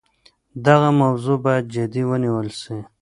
دغه موضوع باید جدي ونیول سي.